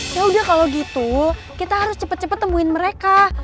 yaudah kalo gitu kita harus cepet cepet temuin mereka